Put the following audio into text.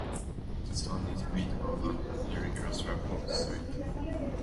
The stone is made of an irregular slab of slate.